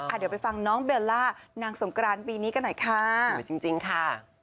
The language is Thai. อ่าเดี๋ยวไปฟังน้องเบลล่านางสงกรานปีนี้กันหน่อยค่ะ